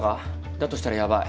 だとしたらヤバい。